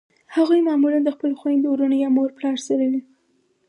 هغوی معمولأ د خپلو خویندو ورونو یا مور پلار سره وي.